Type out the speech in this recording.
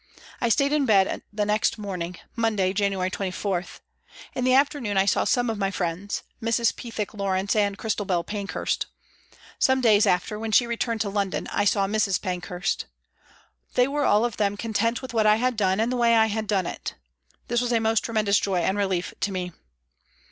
I stayed in bed the next morning (Monday, January 24). In the afternoon I saw some of my friends Mrs. Pethick Lawrence and Christabel Pankhurst. Some days after, when she returned to London, I saw Mrs. Pankhurst. They were all of them content with what I had done and the way I had done it. This was a most tremendous joy and relief to me.